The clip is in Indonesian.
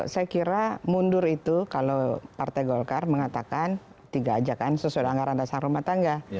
saya kira mundur itu kalau partai golkar mengatakan tiga ajakan sesuai anggaran dasar rumah tangga